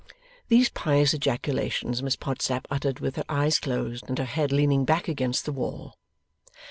These pious ejaculations Miss Podsnap uttered with her eyes closed, and her head leaning back against the wall.